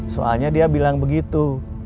soalnya dia bilang begitu